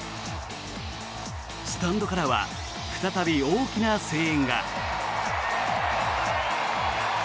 スタンドからは再び大きな声援が。